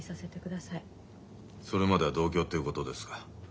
それまでは同居っていうことですか。